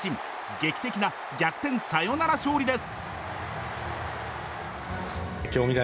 劇的な逆転サヨナラ勝利です。